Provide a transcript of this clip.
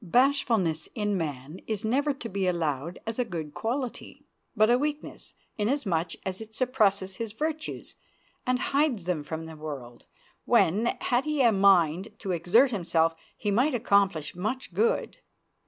Bashfulness in man is never to be allowed as a good quality, but a weakness, inasmuch as it suppresses his virtues and hides them from the world, when, had he a mind to exert himself, he might accomplish much good.